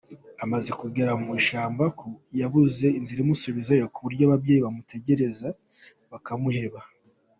Amaze kugera mu ishyamba yabuze inzira imusubizayo ku buryo ababyeyi be bamutegereje bakamuheba.